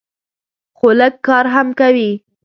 خو لږ کار هم کوي.